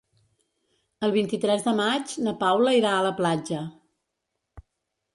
El vint-i-tres de maig na Paula irà a la platja.